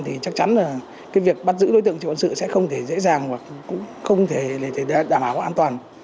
thì chắc chắn là cái việc bắt giữ đối tượng trụ quân sự sẽ không thể dễ dàng và cũng không thể đảm bảo an toàn